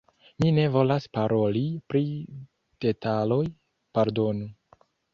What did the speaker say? Mi ne volas paroli pri detaloj, pardonu.